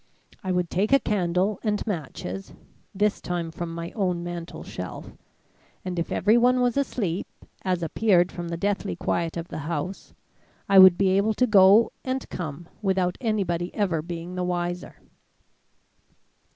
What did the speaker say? I would take a candle and matches, this time from my own mantel shelf, and if everyone was asleep, as appeared from the deathly quiet of the house, I would be able to go and come without anybody ever being the wiser.